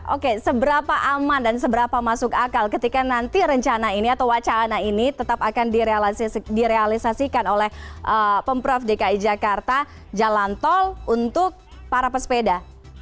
oke seberapa aman dan seberapa masuk akal ketika nanti rencana ini atau wacana ini tetap akan direalisasikan oleh pemprov dki jakarta jalan tol untuk para pesepeda